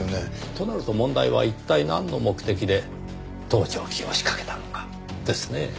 となると問題は一体なんの目的で盗聴器を仕掛けたのかですね。